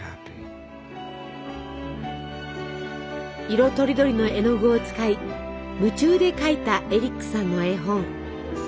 色とりどりの絵の具を使い夢中で描いたエリックさんの絵本。